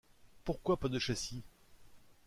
Pourquoi pas de châssis?